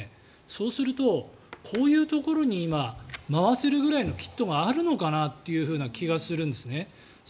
そうすると、こういうところに今、回せるぐらいのキットがあるのかなという気がするんです